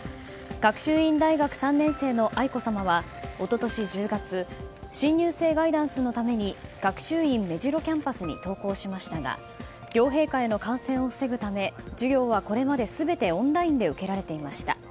学習院大学３年生の愛子さまは一昨年１０月新入生ガイダンスのために学習院目白キャンパスに登校しましたが両陛下への感染を防ぐため授業はこれまで全てオンラインで受けられていました。